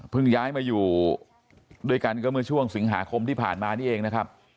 ย้ายมาอยู่ด้วยกันก็เมื่อช่วงสิงหาคมที่ผ่านมานี่เองนะครับ